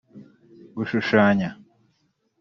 gushushanya